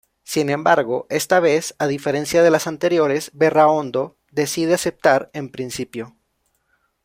Sin embargo esta vez, a diferencia de las anteriores, Berraondo decide aceptar en principio.